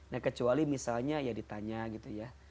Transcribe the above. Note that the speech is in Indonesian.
nah kecuali misalnya ya ditanya gitu ya